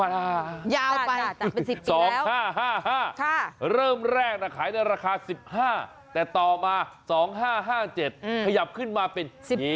เริ่มแรกหน่ะขายละราคา๑๕แต่ต่อมา๒๕๕๗ขยับขึ้นมาเป็น๒๐